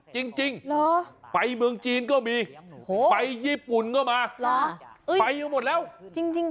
จริงไปเมืองจีนก็มีไปญี่ปุ่นก็มาไปก็หมดแล้วจริง